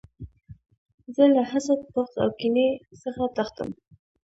زه له حسد، بغض او کینې څخه تښتم.